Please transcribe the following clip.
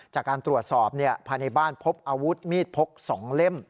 จากการตรวจสอบภายในบ้านพบอาวุธมีดพก๒เล่ม